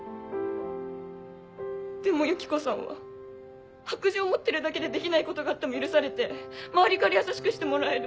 でもユキコさんは白杖持ってるだけでできないことがあっても許されて周りから優しくしてもらえる。